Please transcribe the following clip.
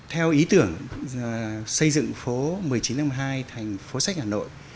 theo ý tưởng xây dựng phố một mươi chín tháng một mươi hai thành phố sách hà nội